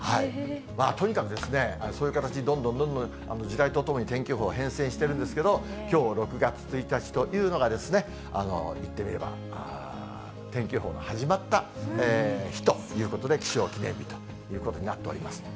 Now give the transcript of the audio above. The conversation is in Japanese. とにかくそういう形にどんどんどんどん時代とともに天気予報は変遷してるんですけど、きょう６月１日というのが、言ってみれば天気予報の始まった日ということで、気象記念日ということになっております。